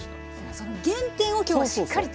その原点を今日はしっかりと。